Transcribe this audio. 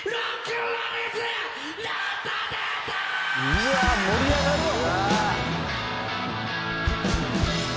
「うわ盛り上がるわ！」